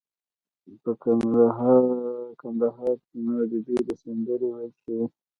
په کندهار کې نورې ډیرې سندرې ویل شوي.